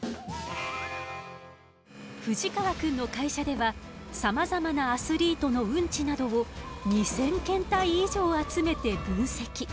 冨士川くんの会社ではさまざまなアスリートのウンチなどを２，０００検体以上集めて分析。